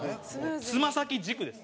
つま先軸です。